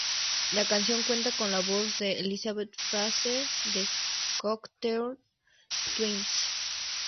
La canción cuenta con la voz de Elizabeth Fraser de Cocteau Twins.